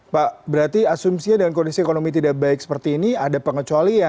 pak berarti asumsinya dengan kondisi ekonomi tidak baik seperti ini ada pengecualian